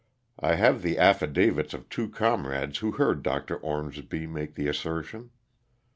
I have the affidavits of two comrades who heard Dr. Ormsby make the assertion.